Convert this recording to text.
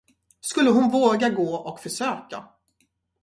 Skulle hon våga gå och försöka.